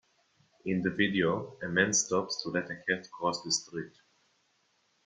In the video, a man stops to let a cat cross the street.